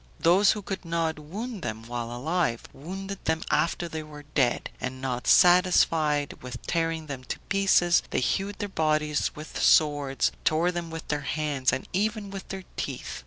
Those who could not wound them while alive, wounded them after they were dead; and not satisfied with tearing them to pieces, they hewed their bodies with swords, tore them with their hands, and even with their teeth.